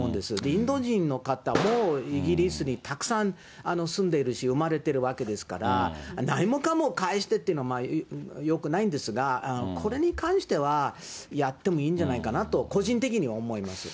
インド人の方も、イギリスにたくさん住んでいるし、産まれているわけですから、何もかも返してっていうのはよくないんですが、これに関しては、やってもいいんじゃないかなと、個人的には思います。